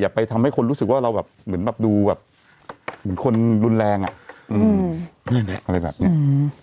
อย่าไปทำให้คนรู้สึกว่าเราแบบเหมือนแบบดูแบบเหมือนคนรุนแรงอ่ะอะไรแบบนี้